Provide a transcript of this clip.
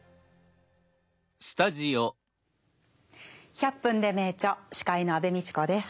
「１００分ｄｅ名著」司会の安部みちこです。